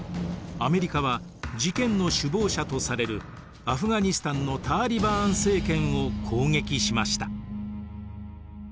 アメリカは事件の首謀者とされるアフガニスタンのターリバーン政権を攻撃しました。